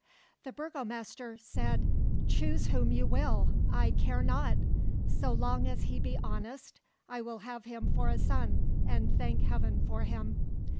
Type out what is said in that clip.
The burgomaster said: "Choose whom you will I care not! So long as he be honest I will have him for a son and thank Heaven for him."